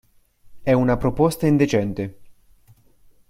È una proposta indecente!